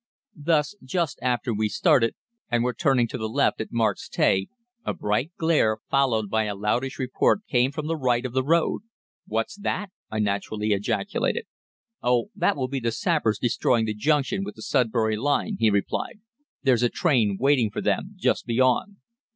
Thus, just after we started, and were turning to the left at Mark's Tey, a bright glare followed by a loudish report came from the right of the road. 'What's that?' I naturally ejaculated. 'Oh, that will be the sappers destroying the junction with the Sudbury line,' he replied. 'There's the train waiting for them just beyond.'